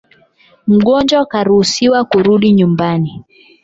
Mgonjwa karuhusiwa kurudi nyumbani